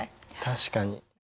確かに。